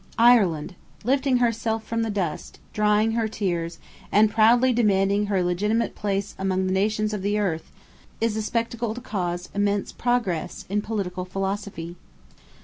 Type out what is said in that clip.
Ireland, lifting herself from the dust, drying her tears, and proudly demanding her legitimate place among the nations of the earth, is a spectacle to cause immense progress in political philosophy.